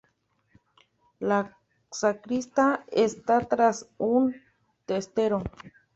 La sacristía está tras el testero.